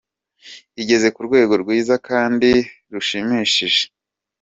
Igeze ku rwego rwiza kandi rushimishije.